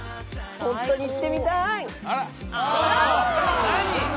ホントに行ってみたい！